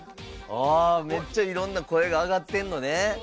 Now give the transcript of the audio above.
ああめっちゃいろんな声があがってんのね。